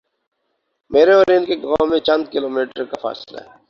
میرے اور ان کے گاؤں میں چند کلو میٹرکا فاصلہ ہے۔